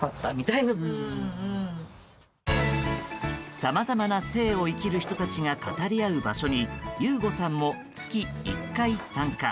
さまざまな性を生きる人たちが語り合う場所に悠悟さんも月１回参加。